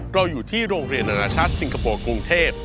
เราอยู่ที่โรงเรียนอนาชาติสิงคโปร์กรุงเทพ